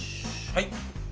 はい。